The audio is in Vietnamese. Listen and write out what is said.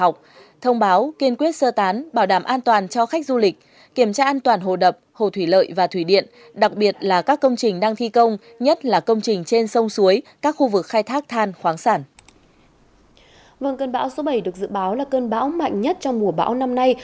vào cơn bão số bảy được dự báo là cơn bão mạnh nhất trong mùa bão năm nay